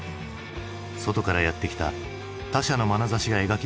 外からやって来た他者のまなざしが描き出すアメリカ。